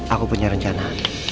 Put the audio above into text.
aku punya rencana